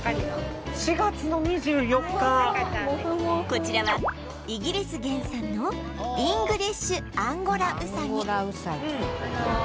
こちらはイギリス原産のイングリッシュアンゴラウサギ